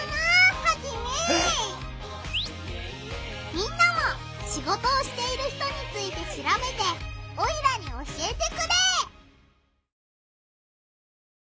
みんなもシゴトをしている人についてしらべてオイラに教えてくれ！